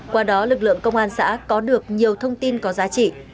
qua đó lực lượng công an xã có được nhiều thông tin có giá trị